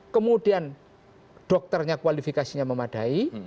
kemudian dokternya kualifikasinya memadai